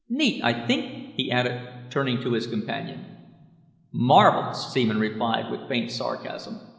"Neat, I think?" he added, turning to his companion. "Marvellous!" Seaman replied, with faint sarcasm.